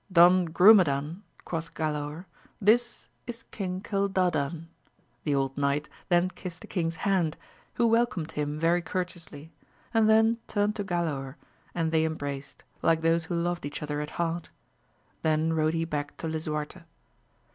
Don Grumedan, quoth Galaor, this is King Gildadan. The old knight then kissed the king's hand, who welcomed him very courteously, and then turned to Galaor and they em braced, like those who loved each other at heart Then rode he back to Lisuarte.